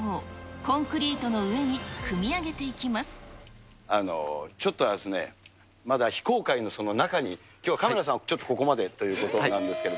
コンクリートの上に組み上げていちょっとですね、まだ非公開の中にきょう、カメラさん、ちょっとここまでということなんですけれども。